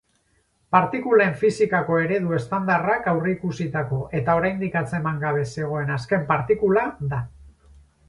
Partikulen fisikako eredu estandarrak aurreikusitako eta oraindik atzeman gabe zegoen azken partikula da.